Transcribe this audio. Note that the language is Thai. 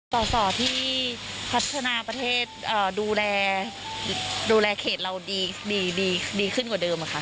ต่อที่พัฒนาประเทศดูแลเขตเราดีขึ้นกว่าเดิมอ่ะค่ะ